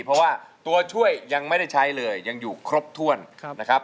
เพราะว่าตัวช่วยยังไม่ได้ใช้เลยยังอยู่ครบถ้วนนะครับ